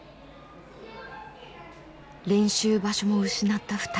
練習場所も失った２人。